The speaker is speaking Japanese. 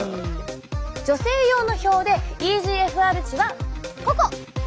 女性用の表でｅＧＦＲ値はここ！